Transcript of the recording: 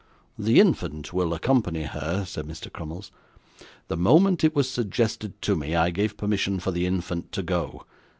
'The infant will accompany her,' said Mr. Crummles. 'The moment it was suggested to me, I gave permission for the infant to go.